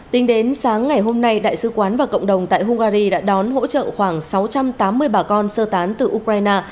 tính đến sáng ngày hôm nay đại sứ quán và cộng đồng tại hungary đã đón hỗ trợ khoảng sáu trăm tám mươi bà con sơ tán từ ukraine